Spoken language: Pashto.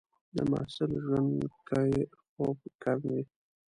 د محصل ژوند کې خوب کم وي.